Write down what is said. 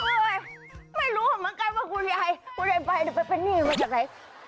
ไม่รู้เหมือนกันว่ามันกูยัยไปไปไปยายว่าจะไป